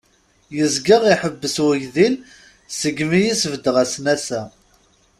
Yezga iḥebbes wegdil segmi i sbeddeɣ asnas-a.